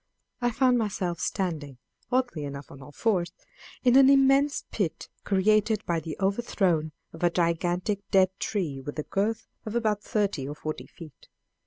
I found myself standing (oddly enough, on all fours) in an immense pit created by the overthrow of a gigantic dead tree with a girth of about thirty or forty feet.